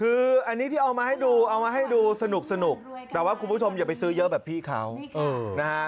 คืออันนี้ที่เอามาให้ดูเอามาให้ดูสนุกแต่ว่าคุณผู้ชมอย่าไปซื้อเยอะแบบพี่เขานะครับ